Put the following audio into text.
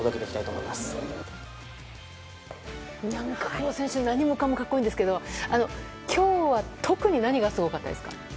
久保選手何もかも格好いいんですけど今日は特に何がすごかったですか？